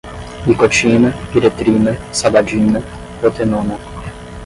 nicotina, piretrina, sabadina, rotenona